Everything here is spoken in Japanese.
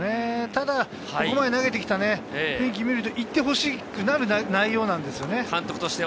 ただここまで投げてきた雰囲気を見ると行ってほしくなる内容なんですよね。